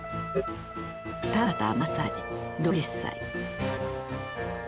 田畑政治６０歳。